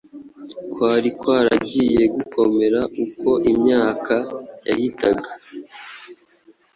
kwari kwaragiye gukomera uko imyaka yahitaga